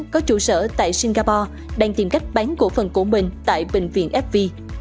có trụ sở tại singapore đang tìm cách bán cổ phần của mình tại bệnh viện fv